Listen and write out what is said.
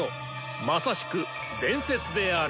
まさしく伝説である！